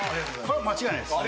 これは間違いないです。